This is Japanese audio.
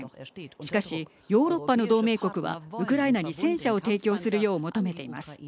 しかし、ヨーロッパの同盟国はウクライナに戦車を提供するよう求めています。